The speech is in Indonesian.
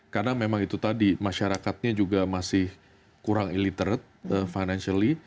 karena memang itu tadi masyarakatnya juga masih kurang illiterate financially